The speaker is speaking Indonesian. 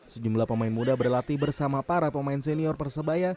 sejumlah pemain muda berlatih bersama para pemain senior persebaya